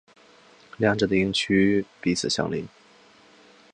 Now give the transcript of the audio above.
两者的营区彼此相邻。